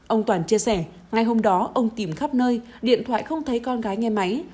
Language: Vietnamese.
ông toàn chia sẻ ngày hôm đó ông tìm khắp nơi điện thoại không thấy con gái nghe máy